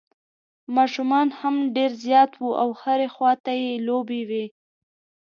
ماشومان هم ډېر زیات وو او هر خوا ته یې لوبې وې.